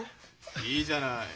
いいじゃない。